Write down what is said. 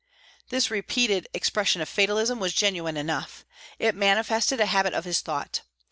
This repeated expression of fatalism was genuine enough. It manifested a habit of his thought.